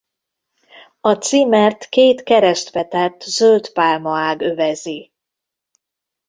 A címert két keresztbe tett zöld pálmaág övezi.